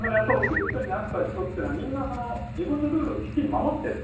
り人になった人はみんな自分のルールを守っている。